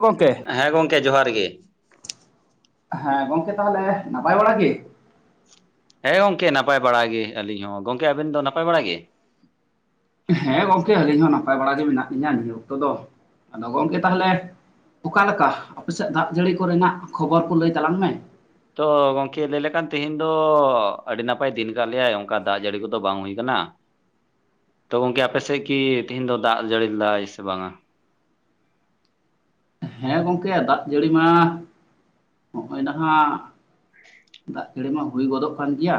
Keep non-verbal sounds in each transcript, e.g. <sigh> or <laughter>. ᱜᱚᱝᱠᱮ᱾ ᱦᱮᱸ ᱜᱚᱝᱠᱮ ᱡᱚᱦᱟᱨ ᱜᱮ᱾ ᱦᱮᱸ ᱜᱚᱝᱠᱮ ᱛᱟᱦᱚᱞᱮ ᱱᱟᱯᱟᱭ ᱵᱟᱲᱟ ᱜᱮ? ᱦᱮᱸ ᱜᱚᱝᱠᱮ ᱱᱟᱯᱟᱭ ᱵᱟᱲᱟ ᱜᱮ ᱟᱹᱞᱤᱧ ᱦᱚᱸ ᱜᱚᱝᱠᱮ ᱟᱵᱮᱱ ᱫᱚ ᱱᱟᱯᱟᱭ ᱵᱟᱲᱟ ᱜᱮ? ᱦᱮᱸ ᱜᱚᱝᱠᱮ ᱟᱹᱞᱤᱧ ᱦᱚᱸ ᱱᱟᱯᱟᱭ ᱵᱟᱲᱟ ᱜᱮ ᱢᱮᱱᱟᱜ ᱞᱤᱧᱟ ᱱᱤᱭᱟᱹ ᱚᱠᱛᱚ ᱫᱚ ᱟᱫᱚ ᱜᱚᱝᱠᱮ ᱛᱟᱦᱚᱞᱮ ᱚᱠᱟᱞᱮᱠᱟ ᱟᱯᱮᱥᱮᱫ ᱫᱟᱜ ᱡᱟᱹᱲᱤ ᱠᱚᱨᱮᱱᱟᱜ ᱠᱷᱚᱵᱚᱨ ᱠᱚ ᱞᱟᱹᱭ ᱛᱟᱞᱟᱝ ᱢᱮ, ᱛᱚ ᱜᱚᱝᱠᱮ ᱞᱟᱹᱭ ᱞᱮ ᱠᱷᱟᱱ ᱛᱦᱮᱧ ᱫᱚ ᱟᱹᱰᱤ ᱱᱟᱯᱟᱭ ᱫᱤᱱ ᱟᱠᱟᱫ ᱞᱮᱭᱟᱭ ᱚᱱᱠᱟ ᱫᱟᱜ ᱡᱟᱹᱲᱤ ᱠᱚᱫᱚ ᱵᱟᱝ ᱦᱩᱭ ᱟᱠᱟᱱᱟ, ᱦᱮ ᱛᱚ ᱜᱚᱝᱠᱮ ᱟᱯᱮᱥᱮᱫ ᱠᱤ ᱛᱮᱦᱤᱧ ᱫᱚ ᱫᱟᱜ ᱡᱟᱹᱲᱤ ᱞᱮᱫᱟᱭ ᱥᱮ ᱵᱟᱝᱟ? ᱦᱮᱸ ᱜᱚᱝᱠᱮ ᱫᱟᱜ ᱡᱟᱹᱲᱤ ᱢᱟ ᱱᱚᱜᱼᱚᱭ ᱱᱟᱦᱟᱜ, ᱫᱟᱜ ᱡᱟᱹᱲᱤ ᱢᱟ ᱦᱩᱭ ᱜᱚᱫᱚᱜ ᱠᱟᱱ ᱜᱮᱭᱟ,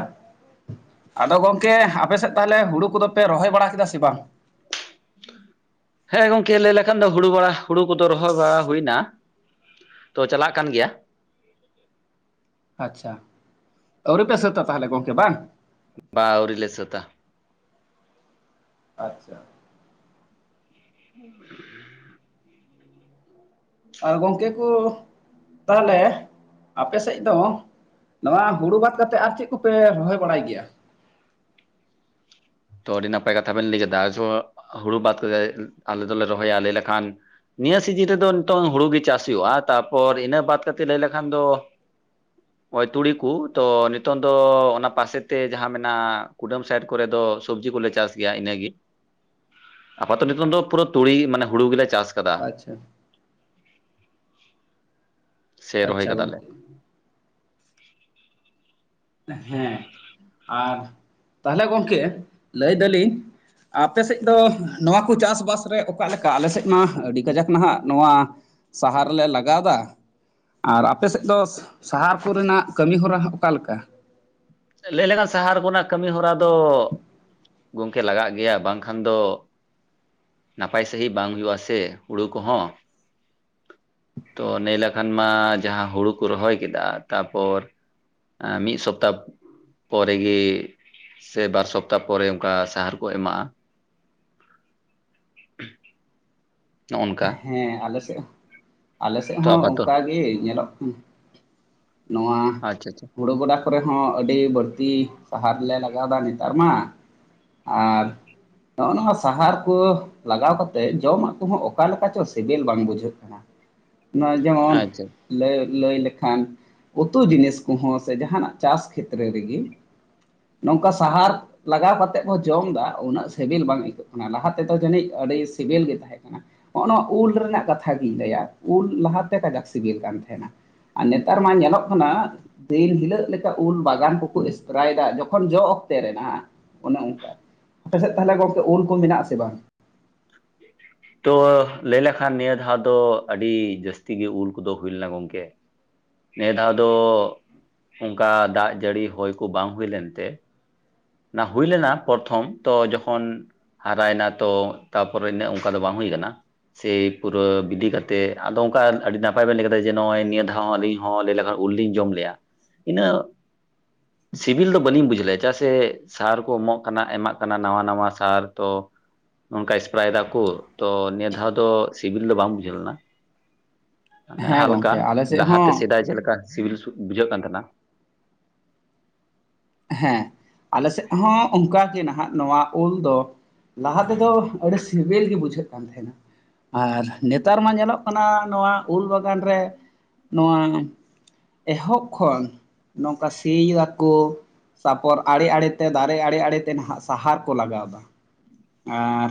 ᱟᱫᱚ ᱜᱚᱝᱠᱮ ᱟᱯᱮ ᱥᱮᱫ ᱛᱟᱦᱚᱞᱮ ᱦᱩᱲᱩ ᱠᱚᱫᱚᱯᱮ ᱨᱚᱦᱚᱭ ᱵᱟᱲᱟ ᱠᱮᱫᱟ ᱥᱮ ᱵᱟᱝ? ᱦᱮᱸ ᱜᱚᱝᱠᱮ ᱞᱟᱹᱭ ᱞᱮᱠᱷᱟᱱ ᱫᱚ ᱦᱩᱲᱩ ᱵᱟᱲᱟ ᱦᱩᱲᱩ ᱠᱚᱫᱚ ᱨᱚᱦᱚᱭ ᱵᱟᱲᱟ ᱦᱩᱭᱱᱟ, ᱛᱚ ᱪᱟᱞᱟᱜ ᱠᱟᱱ ᱜᱮᱭᱟ, ᱟᱪᱪᱷᱟ ᱟᱹᱣᱨᱤ ᱯᱮ ᱥᱟᱹᱛᱟ ᱛᱟᱦᱚᱞᱮ ᱜᱚᱝᱠᱮ ᱵᱟᱝ? ᱵᱟ ᱟᱣᱹᱨᱤ ᱞᱮ ᱥᱛᱟ, ᱟᱪᱪᱷᱟ, <unintelligible> ᱟᱨ ᱜᱚᱝᱠᱮ ᱠᱚ ᱛᱟᱦᱚᱞᱮ ᱟᱯᱮ ᱥᱮᱫ ᱫᱚ ᱱᱚᱣᱟ ᱦᱩᱲᱩ ᱵᱟᱫ ᱠᱟᱛᱮᱫ ᱟᱨ ᱪᱮᱫ ᱠᱚᱯᱮ ᱨᱚᱦᱚᱭ ᱵᱟᱲᱟᱭ ᱜᱮᱭᱟ? ᱛᱚ ᱟᱹᱰᱤ ᱱᱟᱯᱟᱭ ᱠᱟᱛᱷᱟ ᱵᱮᱱ ᱞᱟᱹᱭ ᱠᱮᱫᱟ ᱦᱩᱲᱩ ᱵᱟᱫ ᱠᱟᱛᱮ ᱟᱞᱮ ᱫᱚᱞᱮ ᱨᱚᱦᱚᱭᱟ ᱞᱟᱭ ᱞᱮᱠᱷᱟᱱ, ᱱᱤᱭᱟᱹ ᱥᱤᱡᱤᱱ ᱨᱮᱫᱚ ᱱᱤᱛᱚᱝ ᱦᱩᱲᱩ ᱜᱮ ᱪᱟᱥ ᱦᱩᱭᱩᱜᱼᱟ ᱛᱟᱨᱯᱚᱨ ᱤᱱᱟᱹ ᱵᱟᱫ ᱠᱟᱛᱮ ᱞᱟᱹᱭ ᱞᱮᱠᱷᱟᱱ ᱫᱚ, <inaudible> ᱦᱚᱭ ᱛᱩᱲᱤ ᱠᱚ ᱛᱚ ᱱᱤᱛᱚᱝ ᱫᱚ ᱚᱱᱟ ᱯᱟᱥᱮᱛᱮ ᱡᱟᱦᱟᱸ ᱢᱮᱱᱟᱜᱼᱟ ᱠᱩᱰᱟᱹᱢ ᱥᱟᱭᱤᱰ ᱠᱚᱨᱮ ᱫᱚ, ᱥᱚᱵᱡᱤ ᱠᱚᱞᱮ ᱪᱟᱥ ᱜᱮᱭᱟ ᱤᱱᱟᱹᱜᱮ ᱟᱯᱟᱛᱚ ᱱᱤᱛᱚᱝ ᱫᱚ ᱯᱩᱨᱟᱹ ᱛᱩᱲᱤ ᱢᱟᱱᱮ ᱦᱩᱲᱩ ᱜᱮᱞᱮ ᱪᱟᱥ, ᱠᱟᱫᱟ ᱟᱪᱪᱷᱟ, ᱥᱮ ᱨᱚᱦᱚᱭ ᱟᱪᱪᱷᱟ ᱠᱟᱫᱟᱞᱮ, ᱜᱚᱝᱠᱮ ᱦᱮᱸ ᱟᱨ ᱛᱟᱦᱚᱞᱮ ᱜᱚᱝᱠᱮ ᱞᱟᱹᱭ ᱫᱟᱞᱤᱧ, ᱟᱯᱮ ᱥᱮᱫ ᱫᱚ ᱱᱚᱣᱟ ᱠᱚ ᱪᱟᱥᱵᱟᱥ ᱨᱮ ᱚᱠᱟ ᱞᱮᱠᱟ ᱟᱞᱮ ᱥᱮᱫ ᱢᱟ ᱟᱹᱰᱤ ᱠᱟᱡᱟᱠ ᱱᱟᱦᱟᱜ ᱱᱚᱣᱟ ᱥᱟᱦᱟᱨ ᱨᱮᱞᱮ ᱞᱟᱜᱟᱣᱫᱟ, ᱟᱨ ᱟᱯᱮᱥᱮᱫ ᱫᱚ ᱥᱟᱦᱟᱨ ᱠᱚᱨᱮᱱᱟᱜ ᱠᱟᱹᱢᱤ ᱦᱚᱨᱟ ᱚᱠᱟᱞᱮᱠᱟ? ᱞᱟᱹᱭ ᱞᱮᱠᱷᱟᱱ ᱥᱟᱦᱟᱨ ᱠᱚᱨᱮᱱᱟᱜ ᱠᱟᱹᱢᱤ ᱦᱚᱨᱟ ᱫᱚ, ᱜᱚᱝᱠᱮ ᱞᱟᱜᱟᱜ ᱜᱮᱭᱟ ᱵᱟᱝᱠᱷᱟᱱ ᱫᱚ ᱱᱟᱯᱟᱭ ᱢᱟᱺᱡᱷᱤ ᱵᱟᱝ ᱦᱩᱭᱩᱜ-ᱟ ᱥᱮ ᱦᱩᱲᱩ ᱠᱚ ᱦᱚᱸ᱾ ᱛᱚ ᱞᱟᱹᱭ ᱞᱮᱱᱠᱷᱟᱱ ᱢᱟ ᱡᱟᱸᱦᱟ ᱦᱩᱲᱩ ᱠᱚ ᱨᱚᱦᱚᱭ ᱠᱮᱫᱟ ᱛᱟᱨᱯᱚᱨ ᱢᱤᱫ ᱥᱚᱯᱛᱟ ᱯᱚᱨᱮᱜᱤ ᱥᱮ ᱵᱟᱨ ᱥᱚᱯᱛᱟ ᱯᱚᱨᱮ ᱚᱱᱠᱟ ᱥᱟᱲ ᱠᱚ ᱮᱢᱟᱜ-ᱟ ᱾ <unintelligible> ᱱᱚᱜᱼᱚ ᱱᱚᱝᱠᱟ ᱦᱮᱸ ᱟᱞᱮ ᱥᱮᱫ, ᱟᱞᱮᱥᱮᱫ ᱛᱚ ᱦᱚᱸ ᱟᱯᱟᱛᱚ ᱚᱱᱠᱟ ᱜᱮ ᱧᱮᱞᱚᱜ ᱾ ᱱᱚᱣᱟ ᱟᱪᱪᱷᱟ ᱟᱪᱪᱷᱟ ᱦᱩᱲᱩ ᱜᱚᱰᱟ ᱠᱚᱨᱮ ᱦᱚᱸ ᱟᱹᱰᱤ ᱵᱟᱹᱲᱛᱤ ᱥᱟᱦᱟᱨ ᱞᱮ ᱞᱟᱜᱟᱣ ᱫᱟ ᱱᱮᱛᱟᱨ ᱢᱟ ᱾ ᱟᱨ ᱱᱚᱭ ᱱᱚᱣᱟ ᱥᱟᱦᱟᱨ ᱠᱚ ᱞᱟᱜᱟᱣ ᱠᱟᱛᱮᱫ ᱡᱚᱢᱟᱜ ᱠᱚ ᱦᱚᱸ ᱚᱠ ᱚᱠᱟ ᱞᱮᱠᱟ ᱪᱚ ᱥᱮᱵᱮᱞ ᱵᱟᱝ ᱵᱩᱡᱷᱟᱹᱜ ᱠᱟᱱᱟ ᱾ ᱱᱚᱜ -ᱚᱭ ᱡᱮᱢᱚᱱ ᱟᱪᱪᱷᱟ ᱞᱟᱹᱭ ᱞᱟᱹᱭ ᱞᱮᱠᱷᱟᱱ ᱩᱛᱩ ᱡᱤᱱᱤᱥ ᱠᱚᱦᱚᱸ ᱥᱮ, ᱡᱟᱦᱟᱱᱟᱜ ᱪᱟᱥ ᱠᱷᱮᱛᱨᱮ ᱨᱮᱜᱤ ᱱᱚᱝᱠᱟ ᱥᱟᱦᱟᱨ ᱞᱟᱜᱟᱣ ᱠᱟᱛᱮᱫ ᱠᱚ ᱡᱚᱢ ᱫᱟ ᱩᱱᱟᱹᱜ ᱥᱮᱵᱮᱞ ᱵᱟᱝ ᱟᱹᱭᱠᱟᱹᱜ ᱠᱟᱱᱟ ᱾ ᱚᱱᱟ ᱞᱟᱦᱟ ᱛᱮᱫᱚ ᱡᱟᱹᱱᱤᱡ ᱟᱹᱰᱤ ᱥᱤᱵᱤᱞ ᱜᱮ ᱛᱟᱦᱮᱸᱱ ᱠᱟᱱᱟ ᱾ ᱱᱚᱜ ᱱᱚᱣᱟ ᱩᱞ ᱨᱮᱱᱟᱜ ᱠᱟᱛᱷᱟ ᱜᱤᱧ ᱞᱟᱹᱭᱟ, ᱩᱞ ᱞᱟᱦᱟ ᱛᱮ ᱠᱟᱡᱟᱠ ᱥᱤᱵᱤᱞ ᱠᱟᱱ ᱛᱟᱦᱮᱱᱟ ᱾ ᱟᱨ ᱱᱮᱛᱟᱨ ᱢᱟ ᱧᱮᱞᱚᱜ ᱠᱟᱱᱟ ᱫᱤᱱ ᱦᱤᱞᱚᱜ ᱞᱮᱠᱟ ᱩᱞ ᱵᱟᱜᱟᱱ ᱠᱚᱠᱚ ᱮᱥ ᱨᱟᱭ ᱫᱟᱜ ᱡᱚᱠᱷᱚᱱ ᱡᱚ ᱚᱠᱛᱮ ᱨᱮᱱᱟᱜ ᱚᱱᱮ ᱚᱱᱠᱟ ᱟᱯᱮ ᱥᱮᱫ ᱛᱟᱦᱚᱞᱮ ᱜᱚᱝᱠᱮ ᱩᱞ ᱠᱚ ᱢᱮᱱᱟᱜ-ᱟ ᱥᱮ ᱵᱟᱝ? <unintelligible> ᱛᱚ ᱞᱟᱹᱭ ᱞᱮᱠᱷᱟᱱ ᱱᱤᱭᱟᱹ ᱫᱷᱟᱣ ᱫᱚ ᱟᱹᱰᱤ ᱡᱟᱥᱛᱤ ᱜᱮ ᱩᱞ ᱠᱚᱫᱚ ᱦᱩᱭ ᱞᱮᱱᱟ ᱜᱚᱝᱠᱮ ᱾ ᱱᱤᱭᱟᱹ ᱫᱷᱟᱣ ᱫᱚ ᱚᱱᱠᱟ ᱫᱟᱜ ᱡᱟᱹᱲᱤ ᱦᱚᱭ ᱠᱚ ᱵᱟᱝ ᱦᱩᱭ ᱞᱮᱱᱛᱮ ᱚᱱᱟ ᱦᱩᱭ ᱞᱮᱱᱟ ᱯᱨᱚᱛᱷᱚᱢ ᱛᱚ ᱡᱚᱠᱷᱚᱱ, ᱦᱟᱨᱟᱭᱮᱱᱟ ᱛᱚ, ᱛᱟᱨᱯᱚᱨᱮ ᱤᱱᱟᱹᱜ ᱚᱱᱠᱟ ᱫᱚ ᱵᱟᱝ ᱦᱩᱭ ᱠᱟᱱᱟ ᱾ ᱥᱮᱭ ᱯᱩᱨᱟᱹ ᱵᱤᱫᱷᱤ ᱠᱟᱛᱮᱫ, ᱟᱫᱚ ᱚᱱᱠᱟ ᱟᱰᱤ ᱱᱟᱯᱟᱭ ᱵᱤᱱ ᱞᱟᱹᱭ ᱠᱮᱫᱟ ᱡᱮ, ᱱᱚᱜ-ᱚᱭ ᱱᱤᱭᱟᱹ ᱫᱷᱟᱣ ᱟᱹᱰᱤ ᱦᱚᱸ ᱞᱟᱹᱭ ᱞᱮᱠᱷᱟᱱ ᱩᱞ ᱞᱤᱧ ᱡᱚᱢ ᱞᱮᱜ-ᱟ ᱤᱱᱟᱹᱜ ᱥᱤᱵᱤᱞ ᱫᱚ ᱵᱟᱹᱞᱤᱧ ᱵᱩᱡᱷ ᱞᱮᱫᱼᱟ ᱪᱮᱫᱟᱜ ᱥᱮ, ᱥᱟᱨ ᱠᱚ ᱮᱢᱚᱜ ᱠᱟᱱᱟ ᱮᱢᱟᱜ ᱠᱟᱱᱟ ᱱᱟᱣᱟ ᱱᱟᱣᱟ ᱥᱟᱨ ᱛᱚ ᱱᱚᱝᱠᱟ ᱮᱥᱯᱨᱟᱭ ᱫᱟᱠᱚ ᱛᱚ, ᱱᱤᱭᱟᱹ ᱫᱷᱟᱣ ᱫᱚ ᱥᱤᱵᱤᱞ ᱫᱚ ᱵᱟᱝ ᱵᱩᱡᱷᱟᱹᱣ ᱞᱮᱱᱟ ᱾ ᱟᱱᱮ ᱦᱮᱸ ᱦᱟᱞᱠᱟ ᱜᱚᱝᱠᱮ ᱟᱞᱮ ᱥᱮᱫ ᱞᱟᱦᱟᱛᱮ ᱦᱚᱸ ᱥᱮᱫᱟᱭ ᱪᱮᱫ ᱞᱮᱠᱟ ᱥᱤᱵᱤᱞ ᱵᱩᱡᱷᱟᱹᱜ ᱠᱟᱱ ᱛᱟᱦᱮᱱᱟ᱾ ᱦᱮᱸ, ᱟᱞᱮ ᱥᱮᱫ ᱦᱚᱸ ᱚᱱᱠᱟᱜᱮ ᱱᱟᱦᱟᱜ ᱱᱚᱣᱟ ᱩᱞ ᱫᱚ, ᱞᱟᱦᱟ ᱛᱮᱫᱚ ᱟᱹᱰᱤ ᱥᱤᱵᱤᱞ ᱜᱮ ᱵᱩᱡᱷᱟᱹᱜ ᱠᱟᱱ ᱛᱟᱦᱮᱱᱟ, ᱟᱨ ᱱᱮᱛᱟᱨ ᱢᱟ ᱧᱮᱞᱚᱜ ᱠᱟᱱᱟ ᱱᱚᱣᱟ ᱩᱞ ᱵᱟᱜᱟᱱ ᱨᱮ ᱱᱚᱣᱟ ᱮᱦᱚᱵ ᱠᱷᱚᱱ ᱱᱚᱝᱠᱟ ᱥᱤᱭ ᱫᱟᱠᱚ, ᱛᱟᱯᱚᱨ ᱟᱲᱮ ᱟᱲᱮ ᱛᱮ ᱫᱟᱨᱮ ᱟᱲᱮ ᱟᱲᱮ ᱛᱮ ᱱᱟᱦᱟᱜ ᱥᱟᱦᱟᱨ ᱠᱚ ᱞᱟᱜᱟᱣᱮᱫᱟ ᱾ ᱟᱨ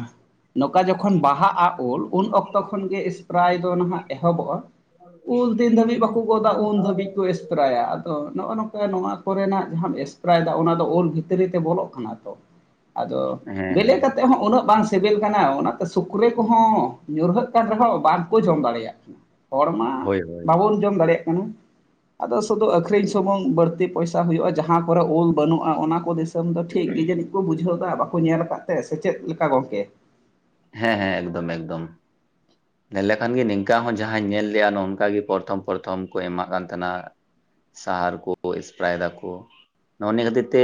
ᱱᱚᱝᱠᱟ ᱡᱚᱠᱷᱚᱱ ᱵᱟᱦᱟᱜᱼᱟ ᱩᱞ ᱩᱱ ᱚᱠᱛᱚ ᱠᱷᱚᱱ ᱜᱮ ᱥᱯᱨᱟᱭ ᱫᱚ ᱱᱟᱦᱟᱜ ᱮᱦᱚᱵᱚᱜᱼᱟ ᱾ ᱩᱞ ᱛᱤᱱ ᱫᱷᱟᱹᱵᱤᱡ ᱵᱟᱠᱚ ᱜᱚᱫᱟ ᱩᱱ ᱫᱷᱟᱹᱵᱤᱡ ᱠᱚ ᱮᱥ ᱮᱥᱯᱨᱟᱭᱟ ᱟᱫᱚ ᱱᱚᱜᱼᱚ ᱱᱚᱝᱠᱟ ᱱᱚᱣᱟ ᱠᱚᱨᱮᱱᱟᱜ ᱡᱟᱸᱦᱟᱸ ᱮᱥ ᱯᱨᱟᱭᱫᱟ ᱚᱱᱟ ᱫᱚ ᱚᱞ ᱵᱷᱤᱛᱨᱤ ᱛᱮ ᱵᱚᱞᱚᱜ ᱠᱟᱱᱟ ᱛᱚ ᱟᱫᱚ, ᱦᱮᱸ ᱵᱮᱞᱮ ᱦᱮᱸ ᱠᱟᱛᱮ ᱛᱮ ᱦᱚᱸ ᱩᱱᱟᱹᱜ ᱵᱟᱝ ᱥᱤᱵᱤᱞ ᱠᱟᱱᱟ ᱚᱱᱟ ᱛᱮ ᱥᱩᱠᱨᱤ ᱠᱚᱦᱚᱸ ᱧᱩᱨᱦᱟᱹᱜ ᱠᱟᱱ ᱨᱮᱦᱚᱸ ᱵᱟᱝ ᱠᱚ ᱡᱚᱢ ᱫᱟᱲᱮᱭᱟᱜ ᱠᱟᱱᱟ᱾ ᱦᱚᱲ ᱢᱟ ᱦᱳᱭ ᱦᱳᱭ᱾ <inaudible> ᱡᱚᱢ ᱫᱟᱲᱮᱭᱟᱜ ᱠᱟᱱᱟ ᱟᱫᱚ, ᱥᱩᱫᱷᱩ ᱟᱠᱷᱨᱤᱧ ᱥᱩᱢᱩᱝ ᱵᱟᱹᱲᱛᱤ ᱯᱚᱭᱥᱟ ᱦᱩᱭᱩᱜᱼᱟ ᱡᱟᱸᱦᱟ ᱠᱚᱨᱮ ᱩᱞ ᱵᱟᱹᱱᱩᱜᱼᱟ ᱚᱱᱟ ᱠᱚ ᱫᱤᱥᱚᱢ ᱫᱚ ᱴᱷᱤᱠ ᱜᱮ ᱡᱟᱹᱱᱤᱡ ᱠᱚ ᱵᱩᱡᱷᱟᱹᱣ ᱮᱫᱟ ᱵᱟᱠᱚ ᱧᱮᱞ ᱟᱠᱟᱫ ᱛᱮ ᱥᱮ ᱪᱮᱫ ᱞᱮᱠᱟ ᱜᱚᱝᱠᱮ? ᱦᱮᱸ ᱦᱮᱸ ᱮᱠᱫᱚᱢ ᱮᱠᱫᱚᱢ᱾ <unintelligible> ᱧᱮᱞ ᱞᱮᱠᱷᱟᱱ ᱜᱮ ᱱᱤᱝᱠᱟ ᱦᱚᱸ ᱡᱟᱸᱦᱟᱸᱧ ᱧᱮᱞ ᱞᱮᱜᱼᱟ ᱱᱚᱝᱠᱟ ᱜᱮ ᱯᱚᱨᱚᱛᱷᱚᱢ ᱯᱚᱨᱚᱛᱷᱚᱢ ᱠᱚ ᱮᱢᱟᱜ ᱠᱟᱱ ᱛᱟᱦᱮᱱᱟ᱾ ᱥᱟᱦᱟᱨ ᱠᱚ ᱮ ᱮᱥᱯᱨᱟᱭ ᱮᱫᱟᱠᱚ᱾ ᱱᱚᱜ-ᱱᱤᱭᱟᱹ ᱠᱷᱟᱹᱛᱤᱨ ᱛᱮ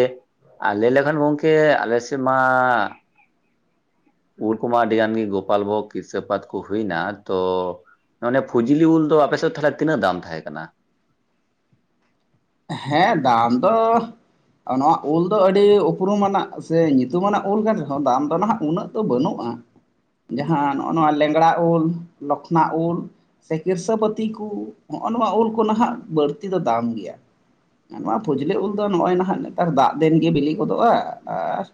ᱟ ᱞᱮ ᱞᱮᱠᱷᱟᱱ ᱜᱚᱢᱠᱮ ᱟᱞᱮ ᱥᱮᱫ ᱢᱟ ᱩᱞ ᱠᱩᱢᱟ ᱟᱹᱰᱤ ᱜᱟᱱ ᱜᱮ ᱜᱳᱯᱟᱞ ᱵᱷᱳᱜᱽ ᱠᱤᱥᱟᱹ ᱯᱟᱛ ᱠᱚ ᱦᱩᱭᱱᱟ ᱛᱚ, ᱢᱟᱱᱮ ᱯᱷᱩᱡᱞᱤ ᱩᱞ ᱫᱚ ᱟᱯᱮ ᱥᱮᱫ ᱛᱟᱦᱚᱞᱮ ᱛᱤᱱᱟᱹᱜ ᱫᱟᱢ ᱛᱟᱦᱮᱸ ᱠᱟᱱᱟ? ᱦᱮᱸ ᱫᱟᱢ ᱫᱚ ᱱᱚᱣᱟ ᱩᱞ ᱫᱚ ᱟᱹᱰᱤ ᱩᱯᱨᱩᱢᱟᱱᱟᱜ ᱥᱮ ᱧᱩᱛᱩᱢ ᱟᱱᱟᱜ ᱩᱞ ᱠᱟᱱ ᱨᱮᱦᱚᱸ ᱫᱟᱢ ᱫᱚ ᱱᱟᱦᱟᱜ ᱩᱱᱟᱹᱜ ᱫᱚ ᱵᱟᱹᱱᱩᱜ-ᱟ᱾ ᱡᱟᱸᱦᱟᱸ ᱱᱚᱜ-ᱚ ᱱᱚᱣᱟ ᱞᱮᱝᱲᱟ ᱩᱞ, ᱞᱚᱠᱷᱚᱱᱟ ᱩᱞ, ᱥᱮ ᱠᱤᱨᱥᱟᱯᱟᱹᱛᱤ ᱠᱚ, ᱦᱚᱜ-ᱚ ᱱᱚᱣᱟ ᱩᱞ ᱠᱚᱦᱟᱜ ᱵᱟᱹᱲᱛᱤ ᱫᱚ ᱫᱟᱢ ᱜᱮᱭᱟ᱾ ᱱᱚᱣᱟ ᱯᱷᱩᱡᱽᱞᱟᱹ ᱩᱞ ᱫᱚ ᱱᱚᱜ-ᱚᱭ ᱱᱟᱦᱟᱜ ᱱᱮᱛᱟᱨ ᱫᱟᱜ ᱫᱤᱱ ᱜᱮ ᱵᱤᱞᱤ ᱜᱚᱫᱚᱜ-ᱟ ᱟᱨ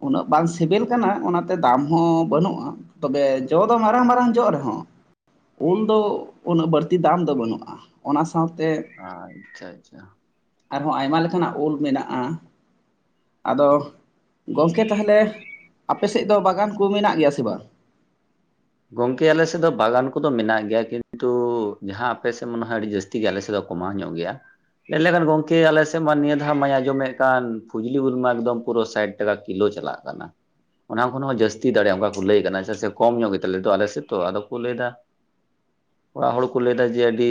ᱩᱱᱟᱹᱜ ᱵᱟᱝ ᱥᱤᱵᱤᱞ ᱠᱟᱱᱟ, ᱚᱱᱟᱛᱮ ᱫᱟᱢ ᱦᱚᱸ ᱵᱟᱹᱱᱩᱜ-ᱟ᱾ ᱛᱚᱵᱮ, ᱡᱚ ᱫᱚ ᱢᱟᱨᱟᱝ ᱢᱟᱨᱟᱝ ᱡᱚᱜ ᱨᱮᱦᱚᱸ᱾ ᱩᱞ ᱫᱚ ᱩᱱᱟᱹᱜ ᱵᱟᱹᱲᱛᱤ ᱫᱟᱢ ᱫᱚ ᱵᱟᱹᱱᱩᱜ-ᱟ, ᱚᱱᱟ ᱥᱟᱶᱛᱮ ᱟᱪᱪᱷᱟ ᱟᱪᱪᱷᱟ᱾ ᱟᱨᱦᱚᱸ ᱟᱭᱢᱟ ᱞᱮᱠᱟᱱᱟᱜ ᱩᱞ ᱢᱮᱱᱟᱜ-ᱟ᱾ ᱟᱫᱚ ᱜᱚᱝᱠᱮ ᱛᱟᱦᱚᱞᱮ ᱟᱯᱮ ᱥᱮᱫ ᱫᱚ ᱵᱟᱜᱟᱱ ᱠᱚ ᱢᱮᱱᱟᱜ ᱜᱮᱭᱟ ᱥᱮ ᱵᱟᱝ? ᱜᱚᱝᱠᱮ ᱟᱞᱮ ᱥᱮᱫ ᱫᱚ ᱵᱟᱜᱟᱱ ᱠᱚᱫᱚ ᱢᱮᱱᱟᱜ ᱜᱮᱭᱟ ᱾ᱠᱤᱱᱛᱩ ᱡᱟᱦᱟᱸ ᱟᱯᱮ ᱥᱮᱫ ᱢᱚᱱᱮ ᱦᱳᱭ ᱟᱹᱰᱤ ᱡᱟᱹᱥ ᱛᱤ ᱜᱮᱭᱟ ᱟᱞᱮᱥᱮᱫ ᱫᱚ ᱠᱚᱢᱟᱣ ᱧᱚᱜ ᱜᱮᱭᱟ᱾ ᱞᱮᱭ ᱞᱮᱠᱷᱟᱱ ᱜᱚᱝᱠᱮ ᱟᱞᱮᱥᱮᱫ ᱢᱟ ᱱᱤᱭᱟᱹ ᱫᱷᱟᱣ ᱢᱟᱭ ᱟᱸᱡᱚᱢᱮᱫ ᱠᱟᱱ ᱯᱷᱩᱡᱽᱞᱤ ᱩᱞᱢᱟ ᱮᱠᱫᱚᱢ ᱯᱩᱨᱟᱹ ᱥᱟᱭᱮᱰ ᱞᱮᱠᱟ ᱠᱤᱞᱳ ᱪᱟᱞᱟᱜ ᱠᱟᱱᱟ, ᱚᱱᱟ ᱠᱷᱚᱱ ᱦᱚᱸ ᱡᱟᱹᱥᱛᱤ ᱫᱟᱲᱮ ᱚᱱᱠᱟ ᱠᱚ ᱞᱟᱹᱭ ᱠᱟᱱᱟ ᱪᱮᱫᱟᱜ ᱥᱮ ᱠᱚᱢ ᱧᱚᱜ ᱜᱮ ᱫᱚ ᱟᱞᱮᱥᱮᱫ ᱛᱚ ᱟᱫᱚ ᱠᱚ ᱞᱟᱹᱭ ᱮᱫᱟ ᱚᱲᱟᱜ ᱦᱚᱲ ᱠᱚ ᱞᱟᱹᱭ ᱮᱟ ᱡᱮ ᱟᱹᱰᱤ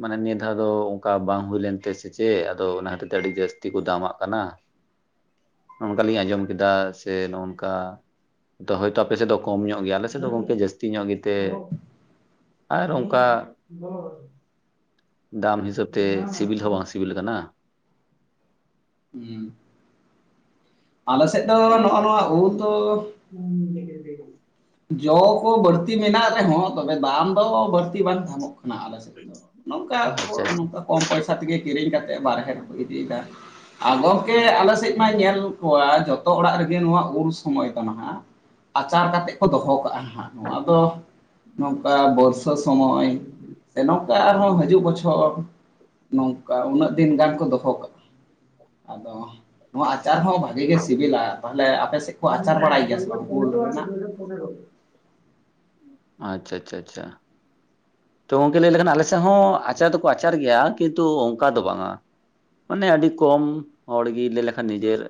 ᱢᱟᱱᱮ ᱱᱤᱭᱟᱹ ᱫᱷᱟᱣ ᱫᱚ ᱚᱱᱠᱟ ᱵᱟᱝ ᱦᱩᱭ ᱞᱮᱱ ᱛᱮ ᱥᱮ ᱪᱮᱫ? ᱟᱫᱚ ᱚᱱᱟ ᱦᱚᱛᱮᱡ ᱛᱮ ᱟᱹᱰᱤ ᱡᱟᱹᱥ ᱛᱤ ᱠᱚ ᱫᱟᱢᱟᱜ ᱠᱟᱱᱟ ᱾ ᱱᱚᱝᱠᱟᱞᱤᱧ ᱟᱸᱡᱚᱢ ᱠᱮᱫᱟ ᱥᱮ ᱱᱚᱜᱼᱚ ᱱᱚᱝᱠᱟ, ᱛᱚ ᱦᱳᱭᱛᱚ ᱟᱯᱮᱥᱮᱫ ᱫᱚ ᱠᱚᱢ ᱧᱚᱜ ᱜᱮᱭᱟ, ᱟᱞᱮ ᱥᱮᱫ ᱫᱚ ᱜᱚᱝᱠᱮ ᱡᱟᱹᱥᱛᱤ ᱧᱚᱜ ᱜᱮᱛᱮ ᱟᱨ ᱚᱱᱠᱟ ᱫᱟᱢ ᱦᱤᱥᱟᱹᱵᱽ ᱛᱮ ᱥᱤᱵᱤᱞ ᱦᱚᱸ ᱵᱟᱝ ᱥᱤᱵᱤᱞ ᱟᱠᱟᱱᱟ᱾ ᱦᱩᱸ ᱾ ᱟᱞᱮ ᱥᱮᱫ ᱫᱚ ᱱᱚᱜᱼᱚ ᱱᱚᱣᱟ ᱩᱞ ᱫᱚ <inaudible> ᱡᱚ ᱠᱚ ᱵᱟᱹᱲᱛᱤ ᱢᱮᱱᱟᱜ ᱨᱮᱦᱚᱸ, ᱛᱚᱵᱮ ᱫᱟᱢ ᱫᱚ ᱵᱟᱹᱲᱛᱤ ᱵᱟᱝ ᱧᱟᱢᱚᱜ ᱠᱟᱱᱟ ᱟᱞᱮ ᱥᱮ ᱱᱚᱝᱠᱟ ᱟᱪᱪᱷᱟ ᱠᱚ ᱟᱪᱪᱷᱟ ᱱᱚᱝᱠᱟ ᱠᱚᱢ ᱯᱚᱭᱥᱟ ᱛᱮᱜᱮ ᱠᱤᱨᱤᱧ ᱠᱟᱛᱮᱫ ᱵᱟᱨᱦᱮ ᱨᱮ ᱠᱚ ᱤᱫᱤᱭᱮᱫᱟ, ᱟᱨ ᱜᱚᱝᱠᱮ ᱟᱞᱮ ᱥᱮᱫ ᱢᱟ ᱧᱮᱞ ᱠᱚᱣᱟ ᱡᱚᱛᱚ ᱚᱲᱟᱜ ᱨᱮᱜᱮ ᱱᱚᱣᱟ ᱩᱞ ᱥᱚᱢᱚᱭ ᱫᱚ ᱱᱟᱦᱟᱜ ᱟᱪᱟᱨ ᱠᱟᱛᱮ ᱫᱚᱦᱚ ᱠᱟᱜᱼᱟ ᱦᱟᱸᱜ ᱾ ᱱᱚᱣᱟ ᱫᱚ ᱱᱚᱝᱠᱟ ᱵᱚᱨᱥ ᱥᱟ ᱥᱚᱢᱚᱭ ᱥᱮ ᱱᱚᱝᱠᱟ ᱟᱨᱦᱚᱸ ᱦᱤᱡᱩᱜ ᱵᱚᱪᱷᱚᱨ ᱱᱚᱝᱠᱟ ᱩᱱᱟᱹᱜ ᱫᱤᱱ ᱜᱟᱱ ᱠᱚ ᱫᱚᱦᱚ ᱠᱟᱜᱼᱟ ᱾ ᱟᱫᱚ ᱱᱚᱣᱟ ᱟᱪᱟᱨ ᱦᱚᱸ ᱵᱷᱟᱜᱤ ᱜᱮ ᱥᱤᱵᱤᱞᱟ, ᱛᱟᱦᱞᱮ ᱟᱯᱮ ᱥᱮᱫ ᱠᱚ ᱟᱪᱟᱨ ᱵᱟᱲᱟᱭ ᱜᱮᱭᱟ ᱥᱮ ᱵᱟᱝ ᱩᱞ ᱨᱮᱱᱟᱜ? <inaudible> ᱟᱪᱪᱷᱟ ᱟᱪᱪᱷᱟ ᱟᱪᱪᱷᱟ ᱾ ᱛᱚ ᱜᱚᱝᱠᱮ ᱞᱟᱹᱭ ᱞᱮᱠᱷᱟᱱ ᱟᱞᱮ ᱥᱮᱫ ᱦᱚᱸ ᱟᱪᱟᱨ ᱫᱚᱠᱚ ᱟᱪᱟᱨ ᱜᱮᱭᱟ ᱠᱤᱱᱛᱩ ᱚᱱᱠᱟ ᱫᱚ ᱵᱟᱝᱼᱟ ᱾ ᱢᱟᱱᱮ ᱟᱹᱰᱤ ᱠᱚᱢ ᱦᱚᱲ ᱜᱮ ᱞᱟᱹᱭ ᱞᱮᱠᱷᱟᱱ ᱱᱤᱡᱮᱨ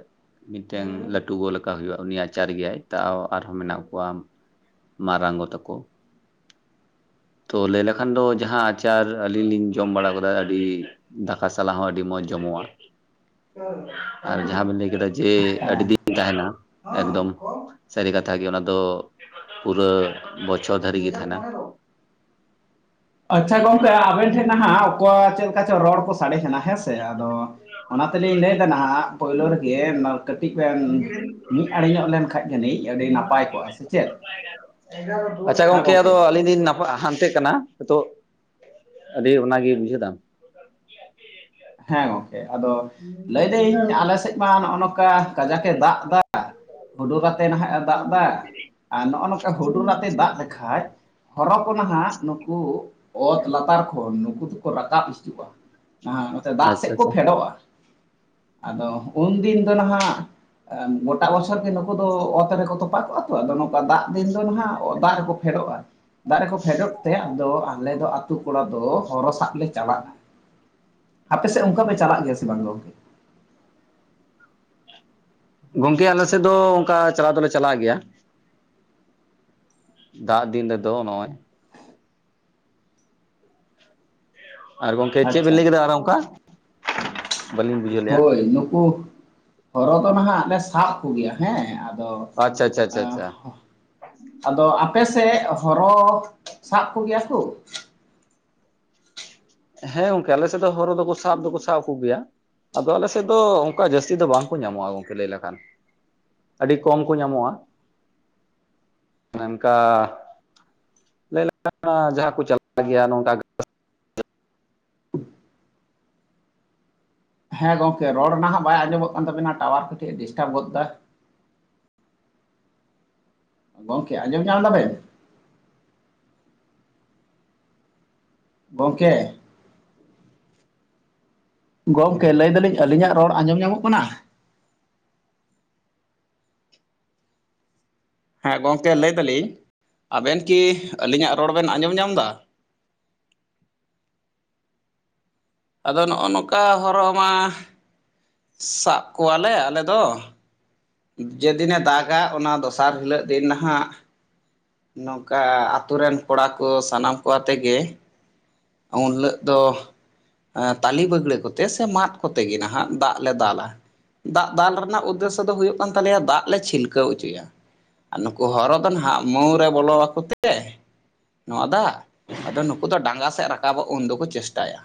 ᱢᱤᱫᱴᱮᱱ ᱞᱟᱹᱴᱩ ᱜᱚ ᱞᱮᱠᱟ ᱦᱩᱭᱩᱜᱼᱟ ᱩᱱᱤ ᱟᱪᱟᱨ ᱜᱮᱭᱟᱭ ᱛᱟᱣ ᱟᱨᱦᱚᱸ ᱢᱮᱱᱟᱜ ᱠᱚᱣᱟ ᱾ ᱢᱟᱨᱟᱝ ᱜᱚ ᱛᱟᱠᱚ ᱾ ᱛᱚ ᱞᱟᱹᱭ ᱞᱮᱠᱷᱟᱱ ᱫᱚ ᱡᱟᱦᱟᱸ ᱟᱪᱟᱨ ᱟᱹᱞᱤᱧ ᱞᱤᱧ ᱡᱚᱢ ᱵᱟᱲᱟ ᱟᱠᱟᱫᱟ ᱟᱹᱰᱤ ᱫᱟᱠᱟ ᱥᱟᱞᱟᱜ ᱦᱚᱸ ᱟᱹᱰᱤ ᱢᱚᱸᱡᱽ ᱡᱚᱢᱚᱜᱼᱟ, ᱟᱨ ᱡᱟᱦᱟᱸ ᱵᱮᱱ ᱞᱟᱹᱭ ᱠᱮᱫᱟ ᱡᱮ ᱦᱮᱸ ᱟᱹᱰᱤ ᱫᱤᱱ ᱛᱟᱦᱮᱱᱟ ᱮᱠᱫᱚᱢ ᱥᱟᱹᱨᱤ ᱠᱟᱛᱷᱟ ᱜᱮ ᱚᱱᱟ ᱫᱚ ᱯᱩᱨᱟᱹ ᱵᱚᱪᱷᱚᱨ ᱫᱷᱟᱹᱨᱤᱡ ᱜᱮ ᱛᱟᱦᱮᱱᱟ ᱾ ᱟᱪᱪᱷᱟ ᱜᱚᱝᱠᱮ ᱟᱵᱮᱱ ᱴᱷᱮᱱ ᱱᱟᱦᱟᱜ ᱚᱠᱚ ᱪᱮᱫ ᱞᱮᱠᱟ ᱪᱚ ᱨᱚᱲ ᱠᱚ ᱥᱟᱮ ᱠᱟᱱᱟ ᱦᱮᱸ ᱥᱮ ᱾ ᱟᱫᱚ ᱚᱱᱟ ᱛᱮᱞᱤᱧ ᱞᱟᱹᱭᱫᱟ ᱱᱟᱦᱟᱜ ᱯᱳᱭᱞᱳ ᱨᱮᱜᱮ ᱠᱟᱹᱴᱤᱡ ᱵᱮᱱ ᱢᱤᱫ ᱟᱲᱮ ᱧᱚᱜ ᱞᱮᱱ ᱠᱷᱟᱡ ᱡᱟᱹᱱᱤᱡ ᱟᱹᱰᱤ ᱱᱟᱯᱟᱭ ᱠᱚᱜᱼᱟ ᱥᱮ ᱪᱮᱫ? ᱟᱪᱪᱷᱟ ᱜᱚᱝᱠᱮ ᱟᱫᱚ ᱟᱹᱞᱤᱧ ᱟᱹᱰᱤᱧ ᱱᱟᱯᱟᱜ ᱦᱟᱱᱛᱮ ᱠᱟᱱᱟ ᱱᱤᱛᱚᱜ ᱟᱹᱰᱤ ᱚᱱᱟᱜᱮ ᱵᱩᱡᱷᱟᱹᱣ ᱫᱟᱢ ᱾ ᱦᱮᱸ ᱜᱚᱝ ᱠᱮ, ᱟᱫᱚ ᱞᱟᱹᱭᱫᱟᱹᱧ ᱟᱞᱮ ᱥᱮᱫ ᱢᱟ ᱱᱚᱜᱼᱚ ᱱᱚᱠᱟ ᱠᱟᱡᱟᱠᱼᱮ ᱫᱟᱜ ᱮᱫᱟ, ᱦᱩᱰᱩᱨ ᱟᱛᱮ ᱱᱟᱦᱟᱜ ᱮ ᱫᱟᱜ ᱫᱟ, ᱟᱨ ᱱᱚᱜᱼᱚ ᱱᱚᱝᱠᱟ ᱦᱩᱰᱩᱨ ᱟᱛᱮ ᱫᱟᱜ ᱞᱮᱠᱷᱟᱡ ᱦᱚᱨᱚ ᱠᱚ ᱱᱟᱦᱟᱜ ᱱᱩᱠᱩ ᱚᱛ ᱞᱟᱛᱟᱨ ᱠᱷᱚᱱ ᱱᱩᱠᱩ ᱫᱚ ᱠᱚ ᱨᱟᱠᱟᱵ ᱦᱤᱡᱩᱜᱼᱟ ᱵᱟᱦᱟᱜ ᱱᱚᱛᱮ ᱫᱟᱜ ᱟᱪᱪᱷᱟ ᱥᱮᱫ ᱠᱚ ᱟᱪᱪᱷᱟ ᱯᱷᱮᱰᱚᱜᱼᱟ ᱾ ᱟᱫᱚ ᱩᱱᱫᱤᱱ ᱫᱚ ᱱᱟᱦᱟᱜ ᱜᱚᱴᱟ ᱵᱚᱪᱷᱚᱨ ᱜᱮ ᱱᱩᱠᱩ ᱫᱚ ᱚᱛ ᱨᱮᱠᱚ ᱛᱚᱯᱟᱜ ᱠᱚᱜᱼᱟ ᱛᱚ ᱟᱫᱚ ᱱᱚᱝᱠᱟ ᱫᱟᱜ ᱫᱤᱱ ᱫᱚ ᱱᱟᱦᱟᱜ ᱫᱟᱜ ᱨᱮᱠᱚ ᱯᱷᱮᱰᱚᱜᱼᱟ ᱫᱟᱜ ᱨᱮᱠᱚ ᱯᱷᱮᱰᱚᱜ ᱛᱮ ᱟᱫᱚ ᱟᱞᱮ ᱫᱚ ᱟᱛᱳ ᱠᱚᱲᱟ ᱫᱚ ᱦᱚᱨᱚ ᱥᱟᱵ ᱞᱮ ᱪᱟᱞᱟᱜᱼᱟ ᱟᱯᱮᱥᱮᱫ ᱚᱱᱠᱟ ᱯᱮ ᱪᱟᱞᱟᱜ ᱜᱮᱭᱟ ᱥᱮ ᱵᱟᱝ ᱜᱚᱢᱠᱮ? ᱜᱚᱢᱠᱮ ᱟᱞᱮ ᱥᱮᱫ ᱫᱚ ᱚᱱᱠᱟ ᱪᱟᱞᱟᱣ ᱫᱚᱞᱮ ᱪᱟᱞᱟᱜ ᱜᱮᱭᱟ᱾ ᱫᱟᱜ ᱫᱤᱱ ᱨᱮᱫ ᱱᱚᱜ-ᱚᱭ ᱟᱨ ᱜᱚᱝᱠᱮ ᱪᱮᱫ ᱵᱤᱱ ᱟᱪᱪᱷᱟ ᱞᱟᱹᱭ ᱠᱮᱫᱟ ᱟᱨ ᱚᱱᱠᱟ ᱵᱟᱹᱞᱤᱧ ᱵᱩᱡᱷᱟᱹᱣ ᱞᱮᱜᱼᱟ ᱦᱳᱭ ᱱᱩᱠᱩ ᱦᱚᱨᱚ ᱫᱚ ᱱᱟᱦᱟᱜ ᱞᱮ ᱥᱟᱵ ᱠᱚᱜᱮᱭᱟ ᱦᱮᱸ ᱟᱫᱚ ᱟᱪᱪᱷᱟ ᱟᱪᱪᱷᱟ ᱟᱪᱪᱷᱟ ᱮᱸ ᱟᱪᱪᱷᱟ ᱟᱫᱚ ᱟᱯᱮ ᱥᱮᱫ ᱦᱚᱨᱚ ᱥᱟᱵ ᱠᱚᱜᱮᱭᱟ ᱠᱚ ᱦᱮᱸ ᱜᱚᱝᱠᱮ ᱟᱞᱮᱥᱮᱫ ᱫᱚ ᱦᱚᱨᱚ ᱫᱚᱠᱚ ᱥᱟᱵ ᱫᱚᱠᱚ ᱥᱟᱵ ᱠᱚᱜᱮᱭᱟ᱾ ᱟᱫᱚ ᱟᱞᱮᱥᱮᱫ ᱫᱚ ᱚᱱᱠᱟ ᱡᱟᱹᱥᱛᱤ ᱫᱚ ᱵᱟᱝᱠᱚ ᱧᱟᱢᱚᱜᱼᱟ ᱜᱚᱝᱠᱮ ᱞᱟᱹᱭ ᱞᱮᱠᱷᱟᱱ ᱟᱹᱰᱤ ᱠᱚᱢ ᱠᱚ ᱧᱟᱢᱚᱜᱼᱟ ᱚᱱᱠᱟ ᱞᱟᱹᱭ ᱞᱮᱠᱷᱟᱱ ᱡᱟᱦᱟᱸ ᱠᱚ ᱪᱟᱞᱟᱜ ᱜᱮᱭᱟ ᱱᱚᱝᱠᱟ ᱦᱮᱸ ᱜᱚᱝᱠᱮ ᱨᱚᱲ ᱱᱟᱦᱟᱜ ᱵᱟᱭ ᱟᱸᱡᱚᱢᱚᱜ ᱠᱟᱱ ᱛᱟᱵᱮᱱᱟ ᱴᱟᱣᱟᱨ ᱠᱟᱹᱴᱤᱡ ᱰᱤᱥᱴᱟᱵ ᱜᱚᱫ ᱮᱫᱟ ᱜᱚᱝᱠᱮ ᱟᱸᱡᱚᱢ ᱧᱟᱢ ᱫᱟᱵᱮᱱ ᱜᱚᱝᱠᱮ ᱜᱚᱢᱠᱮ ᱞᱟᱹᱭ ᱫᱟᱞᱤᱧ ᱟᱹᱞᱤᱧᱟᱜ ᱨᱚᱲ ᱟᱸᱡᱚᱢ ᱧᱟᱢᱚᱜ ᱠᱟᱱᱟ᱾ ᱦᱮᱸ ᱜᱚᱢᱠᱮ ᱞᱟᱹᱭ ᱫᱟᱞᱤᱧ ᱟᱵᱮᱱ ᱠᱤ ᱟᱹᱞᱤᱧᱟᱜ ᱨᱚᱲ ᱵᱮᱱ ᱟᱸᱡᱚᱢ ᱧᱟᱢ ᱮᱫᱟ᱾ ᱟᱫᱚ ᱱᱚᱜᱼᱚ ᱱᱚᱝᱠᱟ ᱦᱚᱨᱚ ᱢᱟ ᱥᱟᱵ ᱠᱚᱣᱟᱞᱮ ᱟᱞᱮ ᱫᱚ ᱡᱮᱫᱤᱱᱮ ᱫᱟᱜ-ᱟ ᱚᱱᱟ ᱫᱚᱥᱟᱨ ᱦᱤᱞᱳᱜ ᱫᱤᱱ ᱱᱟᱦᱟᱜ ᱱᱚᱝᱠᱟ ᱟᱛᱳ ᱨᱮᱱ ᱠᱚᱲᱟ ᱠᱚ ᱥᱟᱱᱟᱢ ᱠᱚ ᱟᱛᱮᱜ ᱜᱮ ᱩᱱ ᱦᱤᱞᱳᱜ ᱫᱚ ᱛᱟᱞᱮ ᱵᱟᱹᱜᱲᱟᱹ ᱠᱚᱛᱮ ᱥᱮ ᱢᱟᱫ ᱠᱚᱛᱮ ᱜᱮ ᱱᱟᱦᱟᱜ ᱫᱟᱜ ᱞᱮ ᱫᱟᱞᱟ ᱫᱟᱜ ᱫᱟᱞ ᱨᱮᱱᱟᱜ ᱩᱫᱽᱫᱮᱥᱚ ᱫᱚ ᱦᱩᱭᱩᱜ ᱠᱟᱱ ᱛᱟᱞᱮᱭᱟ ᱫᱟᱜ ᱞᱮ ᱪᱷᱤᱞᱠᱟᱹᱣ ᱦᱚᱪᱚᱭᱟ᱾ ᱟᱨ ᱱᱩᱠᱩ ᱦᱚᱨᱚ ᱫᱚ ᱱᱟᱦᱜ ᱢᱟᱹᱣ ᱨᱮ ᱵᱚᱞᱚ ᱟᱠᱚ ᱛᱮ ᱱᱚᱣᱟ ᱫᱟᱜ ᱟᱫᱚ ᱱᱩᱠᱩ ᱫᱚ ᱰᱟᱸᱜᱟ ᱥᱮᱫ ᱨᱟᱠᱟᱵᱚᱜ ᱩᱱ ᱫᱚᱠᱚ ᱪᱮᱥᱴᱟᱭᱟ᱾